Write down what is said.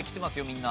みんな。